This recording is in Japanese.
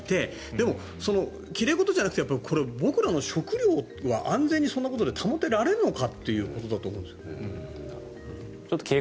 でも、奇麗事じゃなくて僕らの食料は安全に保てられるのかということだと思うんです。